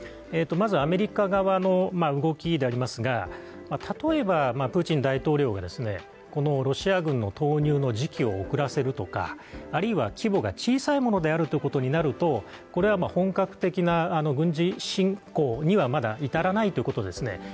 まずアメリカ側の動きですが例えばプーチン大統領がこのロシア軍の投入の時期を遅らせるとかあるいは規模が小さいものであるということになるとこれは本格的な軍事侵攻にはまだ至らないということですね。